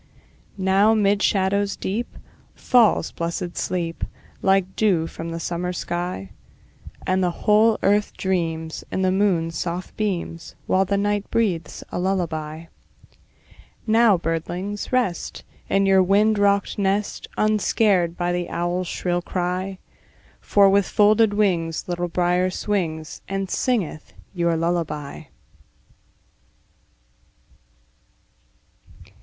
Now 'mid shadows deep Falls blessed sleep, Like dew from the summer sky; And the whole earth dreams, In the moon's soft beams, While night breathes a lullaby. Now, birdlings, rest, In your wind rocked nest, Unscared by the owl's shrill cry; For with folded wings Little Brier swings, And singeth your lullaby.